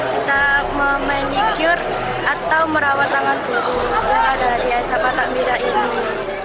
kita memanikyur atau merawat tangan guru yang ada di aisyah patak bida ini